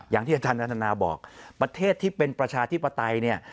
อย่างที่อาจารย์อัธนาบอกประเทศที่เป็นประชาธิปไตยเนี่ย